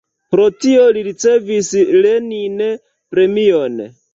Pro tio li ricevis Lenin-premion.